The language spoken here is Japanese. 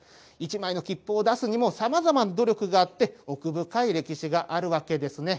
１枚の切符を出すにもさまざまな努力があって、奥深い歴史があるわけですね。